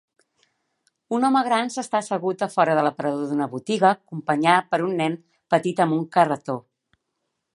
Un home gran s'està assegut a fora de l'aparador d'una botiga acompanyar per un nen petit amb un carretó.